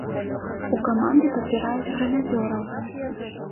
У каманды падбіраюць грэнадзёраў!